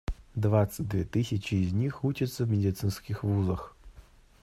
Двадцать две тысячи из них учатся в медицинских вузах.